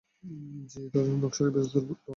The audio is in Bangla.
জ্বি, এই ধরনের নকশা বেশ দুর্লভ।